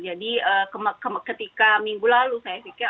jadi ketika minggu lalu saya pikir